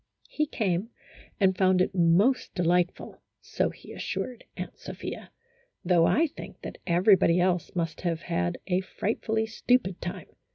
He came, and found it most delightful (so he as sured Aunt Sophia), though I think that everybody else must have had a frightfully stupid time.